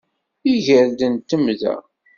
Iger n temda.